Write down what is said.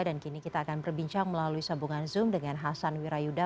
dan kini kita akan berbincang melalui sabungan zoom dengan hasan wirayuda